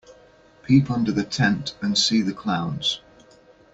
Peep under the tent and see the clowns.